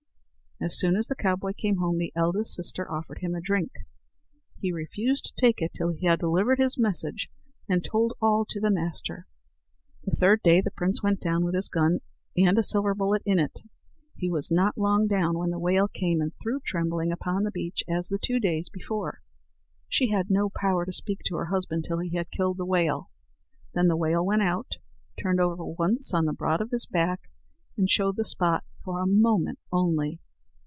As soon as the cowboy came home, the eldest sister offered him a drink. He refused to take it till he had delivered his message and told all to the master. The third day the prince went down with his gun and a silver bullet in it. He was not long down when the whale came and threw Trembling upon the beach as the two days before. She had no power to speak to her husband till he had killed the whale. Then the whale went out, turned over once on the broad of his back, and showed the spot for a moment only.